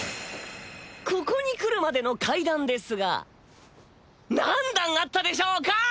ここに来るまでの階段ですが何段あったでしょうか？